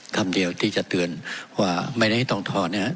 คำเดียวที่จะเตือนว่าไม่ได้ให้ต้องทอนนะครับ